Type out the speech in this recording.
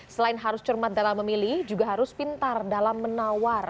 selain harus cermat dalam memilih juga harus pintar dalam menawar